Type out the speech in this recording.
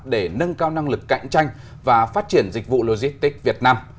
để nâng cao năng lực cạnh tranh và phát triển dịch vụ logistics việt nam